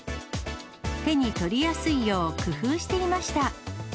手に取りやすいよう工夫していました。